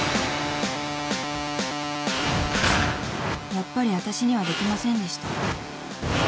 ［やっぱりわたしにはできませんでした］